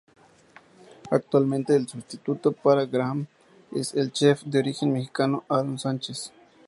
Actualmente el sustituto para Graham es el chef de origen mexicano Aarón Sanchez.